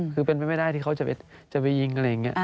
คือเป็นไปไม่ได้ที่เขาจะไปยิง